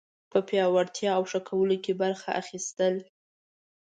په پیاوړتیا او ښه کولو کې برخه اخیستل